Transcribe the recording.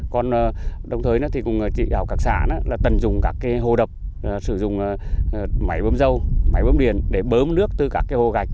còn đồng thời thì cũng chỉ đào các xã là tần dùng các cái hồ đập sử dụng máy bơm dâu máy bơm điền để bơm nước từ các cái hồ gạch